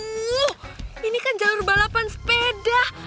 uh ini kan jalur balapan sepeda